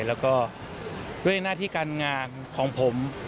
แล้วก็ด้วยหน้าที่การงานของผม